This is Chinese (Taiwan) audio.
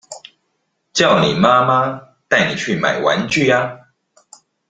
叫你媽媽帶你去買玩具啊